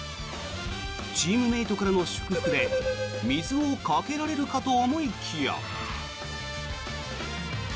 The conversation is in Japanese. チームメートからの祝福で水をかけられるかと思いきや。